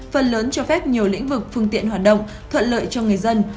phần lớn cho phép nhiều lĩnh vực phương tiện hoạt động thuận lợi cho người dân